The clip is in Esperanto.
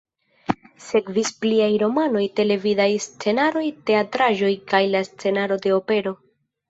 Sekvis pliaj romanoj, televidaj scenaroj, teatraĵoj kaj la scenaro de opero.